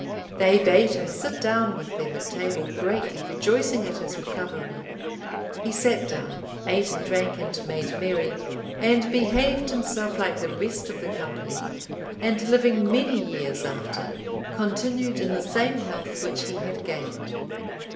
They bade him sit down with them at table, greatly rejoicing at his recovery. He sat down, ate and drank and made merry, and behaved himself like the rest of the company; and living many years after, continued in the same health which he had gained.